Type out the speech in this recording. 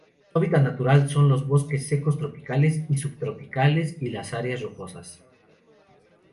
Su hábitat natural son los bosques secos tropicales y subtropicales y las áreas rocosas.